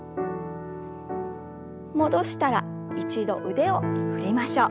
戻したら一度腕を振りましょう。